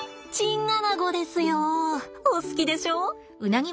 お好きでしょ？